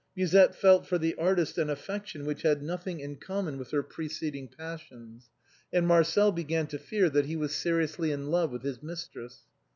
Musette felt for the artist an affection which had nothing in common with her preceding passions; and Marcel began to fear that he was seriously in love with his mistress.